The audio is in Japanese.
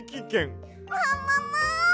ももも！